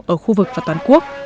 ở khu vực và toàn quốc